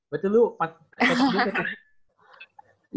berarti lu empat empat bulan kecil